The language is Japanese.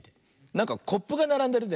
なんかコップがならんでるね。